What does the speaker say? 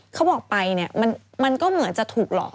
เขาบอกไปเนี่ยมันก็เหมือนจะถูกหลอก